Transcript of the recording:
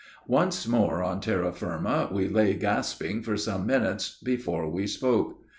Once more on terra firma, we lay gasping for some minutes before we spoke.